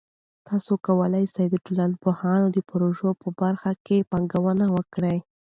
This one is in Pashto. تاسې کولای سئ د ټولنپوهنې د پروژه په برخه کې پانګونه وکړئ.